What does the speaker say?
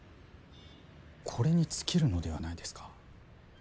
これに尽きるのではないですか？